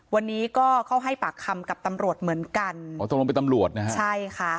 วันนี้ก็เขาให้ปาคำกับตำรวจเหมือนกันตำรวจใช่ค่ะ